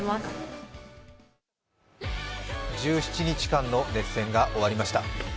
１７日間の熱戦が終わりました。